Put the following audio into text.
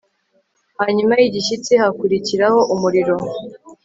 Hanyuma yigishyitsi hakurikiraho umuriro